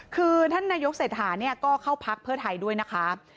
คือท่านนายกเศรษฐาเนี่ยก็เข้าพักเพื่อไทยด้วยนะคะ